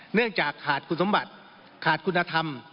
เนื่องจากขาดคุณสมบัติขาดคุณธรรม